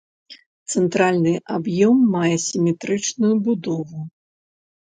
Цэнтральны аб'ём мае сіметрычную будову.